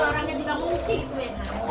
orangnya juga ngungsi itu ya pak